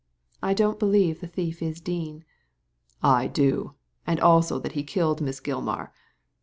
^I don't believe the thief is Dean." ^I do; and also that he killed Miss Gilmar.